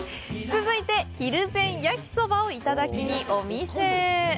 続いて、ひるぜん焼きそばをいただきに、お店へ。